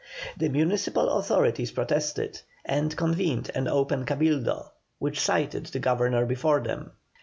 The municipal authorities protested, and convened an open Cabildo, which cited the Governor before them.